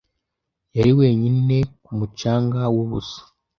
yari wenyine ku mucanga wubusa.